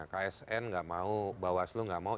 ksn nggak mau bawaslu nggak mau